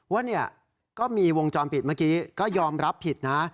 ว่าเนี่ยก็มีวงจรปิดเมื่อกี้ก็ยอมรับผิดนะ